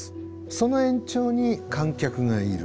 その延長に観客がいる。